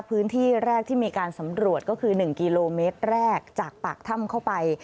พื้นที่แรกที่มีการสำรวจก็คือ๑กิโลเมตรแรกจากปากถ้ำเข้าไป